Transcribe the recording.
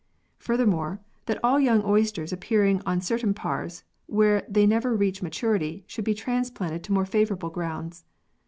Furthermore, that all young oysters appearing on certain paars, where they never reach maturity, should be transplanted to more favourable grounds.